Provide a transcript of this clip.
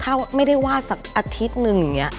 ถ้าไม่ได้วาดสักอาทิตย์นึงอย่างนี้